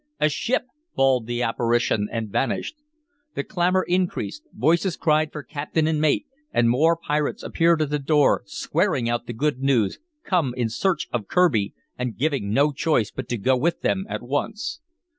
"A ship!" bawled the apparition, and vanished. The clamor increased; voices cried for captain and mate, and more pirates appeared at the door, swearing out the good news, come in search of Kirby, and giving no choice but to go with them at once.